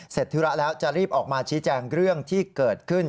ธุระแล้วจะรีบออกมาชี้แจงเรื่องที่เกิดขึ้น